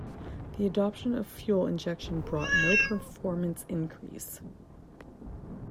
The adoption of fuel injection brought no performance increase.